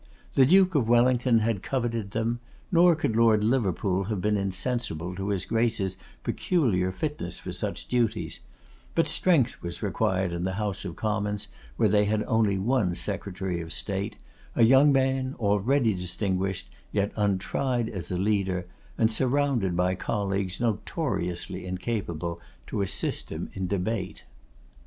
The Duke of Wellington had coveted them, nor could Lord Liverpool have been insensible to his Grace's peculiar fitness for such duties; but strength was required in the House of Commons, where they had only one Secretary of State, a young man already distinguished, yet untried as a leader, and surrounded by colleagues notoriously incapable to assist him in debate.